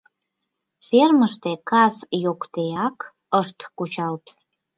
Фермыште кас йоктеак ышт кучалт.